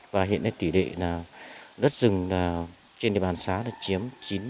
và hiện nay tỷ lệ là đất rừng trên địa bàn xá là chiếm chín mươi ba